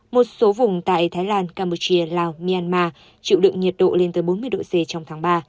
một số vùng tại thái lan campuchia lào myanmar chịu đựng nhiệt độ lên tới bốn mươi độ c trong tháng ba